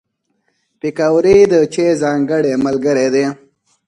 پکورې د چای ځانګړی ملګری دی